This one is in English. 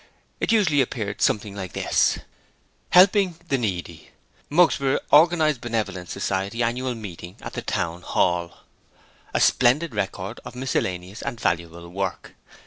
It usually appeared something like this: HELPING THE NEEDY Mugsborough Organized Benevolence Society Annual Meeting at the Town Hall A Splendid record of Miscellaneous and Valuable Work.